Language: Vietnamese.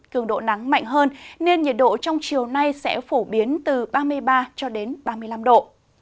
cường độ nắng mạnh hơn nên nhiệt độ trong chiều nay sẽ phổ biến từ ba mươi ba cho đến ba mươi năm độ